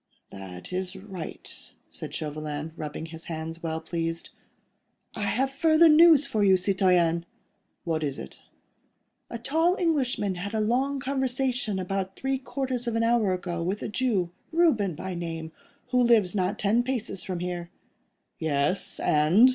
"That is right," said Chauvelin, rubbing his hands, well pleased. "I have further news for you, citoyen." "What is it?" "A tall Englishman had a long conversation about three quarters of an hour ago with a Jew, Reuben by name, who lives not ten paces from here." "Yes—and?"